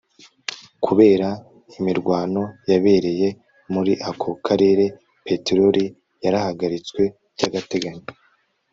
kubera imirwano yabereye muri ako karere, peteroli yarahagaritswe by'agateganyo